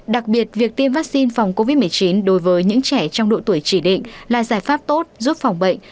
đặc biệt việc tiêm vaccine phòng covid một mươi chín đối với những trẻ trong độ tuổi chỉ định là giải pháp tốt giúp phòng bệnh